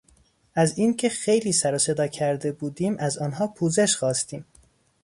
از اینکه خیلی سرو صدا کرده بودیم از آنها پوزش خواستیم.